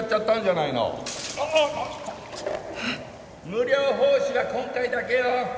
無料奉仕は今回だけよ！